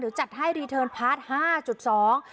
จัดให้รีเทิร์นพาร์ทห้าจุดสอง